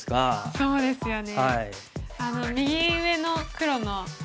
そうですね。